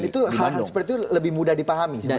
dan itu hal seperti itu lebih mudah dipahami sebenarnya